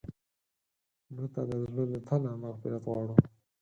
مړه ته د زړه له تله مغفرت غواړو